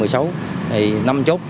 thì năm chốt